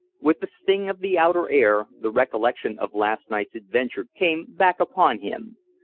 With the sting of the outer air the recollection of last night's adventure came back upon him.